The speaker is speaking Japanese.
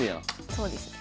そうですね。